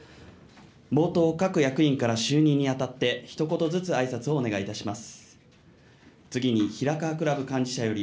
冒頭、各役員から就任にあたって、ひと言ずつあいさつをお願いいたします。